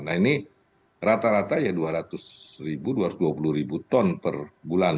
nah ini rata rata ya dua ratus ribu dua ratus dua puluh ribu ton per bulan